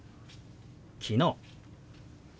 「昨日」。